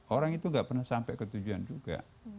orang itu gak pernah sampai ke tujuan juga